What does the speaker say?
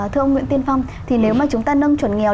thưa ông nguyễn tiên phong thì nếu mà chúng ta nâng chuẩn nghèo